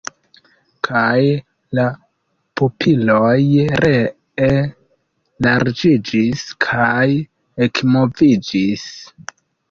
Kaj la pupiloj ree larĝiĝis kaj ekmoviĝis.